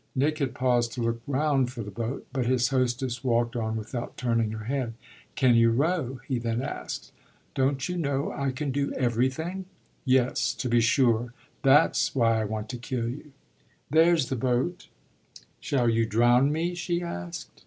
Nick had paused to look round for the boat, but his hostess walked on without turning her head. "Can you row?" he then asked. "Don't you know I can do everything?" "Yes, to be sure. That's why I want to kill you. There's the boat." "Shall you drown me?" she asked.